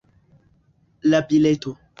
La bileto